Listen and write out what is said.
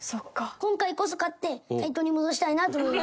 今回こそ勝って対等に戻したいなと思います。